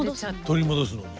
取り戻すのに。